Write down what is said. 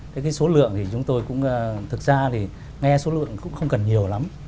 thế cái số lượng thì chúng tôi cũng thực ra thì nghe số lượng cũng không cần nhiều lắm